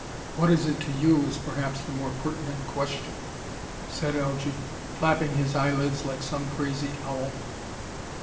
"What is it to you, is perhaps the more pertinent question," said Algy, flapping his eyelids like some crazy owl.